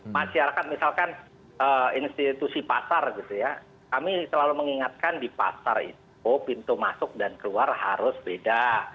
masyarakat misalkan institusi pasar gitu ya kami selalu mengingatkan di pasar itu pintu masuk dan keluar harus beda